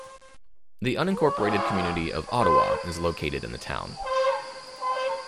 The unincorporated community of Ottawa is located in the town.